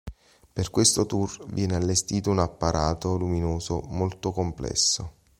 Per questo tour viene allestito un apparato luminoso molto complesso.